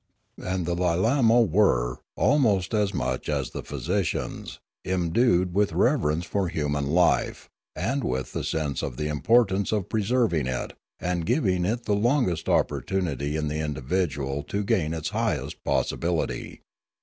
And the Lilamo were, almost as much as the physi cians, imbued with reverence for human life and with the sense of the importance of preserving it and giving it the longest opportunity in the individual to gain its highest possibility.